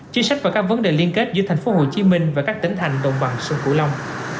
chính sách và các vấn đề liên kết giữa tp hcm và các tỉnh thành đồng bằng sông cửu long